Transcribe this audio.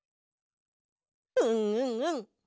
うんうんうん！